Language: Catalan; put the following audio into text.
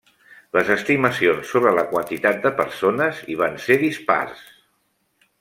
Les estimacions sobre la quantitat de persones hi van ser dispars.